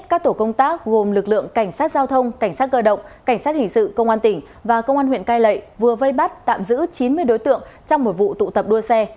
các tổ công tác gồm lực lượng cảnh sát giao thông cảnh sát cơ động cảnh sát hình sự công an tỉnh và công an huyện cai lệ vừa vây bắt tạm giữ chín mươi đối tượng trong một vụ tụ tập đua xe